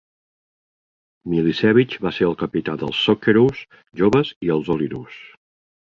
Milicevic va ser el capità dels Socceroos Joves i els Olyroos.